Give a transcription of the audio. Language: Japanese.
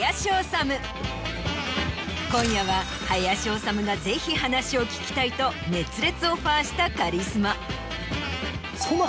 今夜は林修がぜひ話を聞きたいと熱烈オファーしたカリスマ。